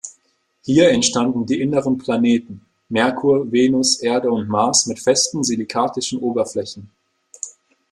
Hier entstanden die inneren Planeten, Merkur, Venus, Erde und Mars mit festen silikatischen Oberflächen.